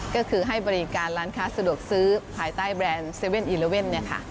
ก็คือให้บริการร้านค้าสะดวกซื้อภายใต้แบรนด์๗๑๑